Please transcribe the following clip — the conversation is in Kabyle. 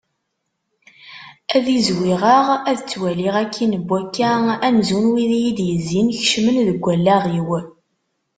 Ad izwiɣeɣ ad ttwaliɣ akkin d wakka amzun wid iyi-d-yezzin kecmen deg wallaɣ-iw.